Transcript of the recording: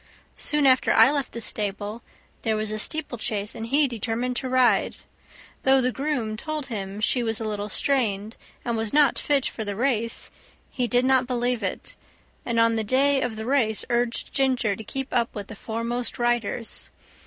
Soon after I left the stable there was a steeplechase, and he determined to ride. Though the groom told him she was a little strained, and was not fit for the race, he did not believe it, and on the day of the race urged Ginger to keep up with the foremost riders.